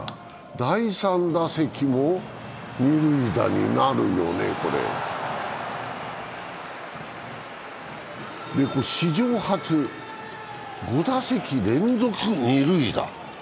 第３打席も二塁打になるよね、これ史上初５打席連続二塁打。